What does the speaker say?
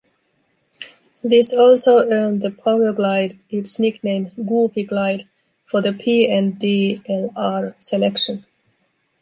This also earned the Powerglide its nickname "goofy glide" for the P-N-D-L-R selection.